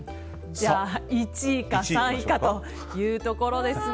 じゃあ１位か３位かということですが。